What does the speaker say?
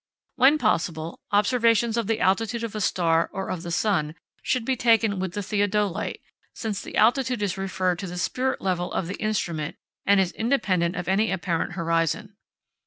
When possible, observations of the altitude of a star or of the sun should be taken with the theodolite, since the altitude is referred to the spirit level of the instrument, and is independent of any apparent horizon.